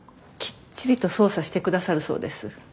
きっちりと捜査して下さるそうです。